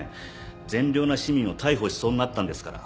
善良な市民を逮捕しそうになったんですから。